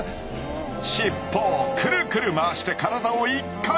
尻尾をくるくる回して体を一回転！